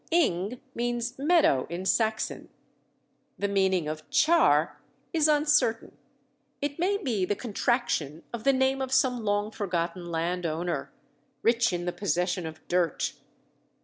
"Ing" means meadow in Saxon. The meaning of "Char" is uncertain; it may be the contraction of the name of some long forgotten landowner, "rich in the possession of dirt."